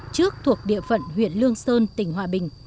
trước thuộc địa phận huyện lương sơn tỉnh hòa bình